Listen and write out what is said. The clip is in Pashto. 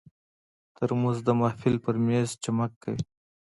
ترموز د محفل پر مېز چمک کوي.